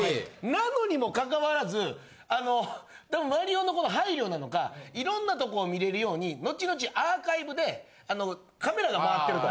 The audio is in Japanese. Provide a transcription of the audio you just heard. なのにもかかわらずあのたぶん麻璃央の配慮なのかいろんなとこを見れるように後々アーカイブでカメラが回ってると。